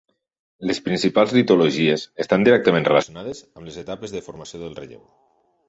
Les principals litologies estan directament relacionades amb les etapes de formació del relleu.